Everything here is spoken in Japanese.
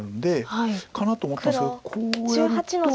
かなと思ったんですけどこうやると。